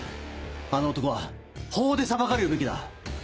あの男は法で裁かれるべきだ。